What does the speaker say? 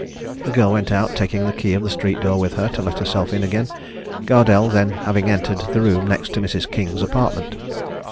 The girl went out, taking the key of the street door with her to let herself in again, Gardelle then having entered the room next to Mrs. King's apartment.